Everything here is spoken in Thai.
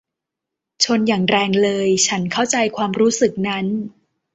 ชนอย่างแรงเลย ฉันเข้าใจความรู้สึกนั้น